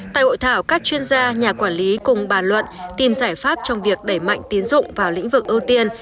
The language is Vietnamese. tại hội thảo các chuyên gia nhà quản lý cùng bàn luận tìm giải pháp trong việc đẩy mạnh tiến dụng vào lĩnh vực ưu tiên